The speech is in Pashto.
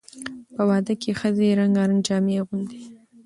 په واده کې ښځې رنګارنګ جامې اغوندي.